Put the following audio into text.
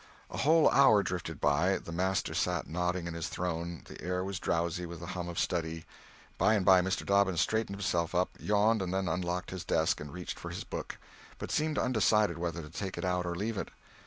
A whole hour drifted by, the master sat nodding in his throne, the air was drowsy with the hum of study. By and by, Mr. Dobbins straightened himself up, yawned, then unlocked his desk, and reached for his book, but seemed undecided whether to take it out or leave it.